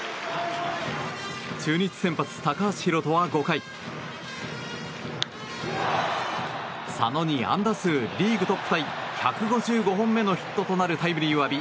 中日先発、高橋宏斗は５回佐野に安打数リーグトップタイ１５５本目となるタイムリーを浴び